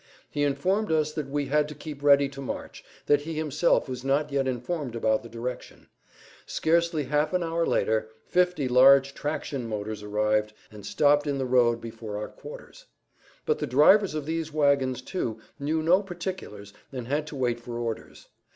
He informed us that we had to keep ready to march, that he himself was not yet informed about the direction. Scarcely half an hour later fifty large traction motors arrived and stopped in the road before our quarters. But the drivers of these wagons, too, knew no particulars and had to wait for orders.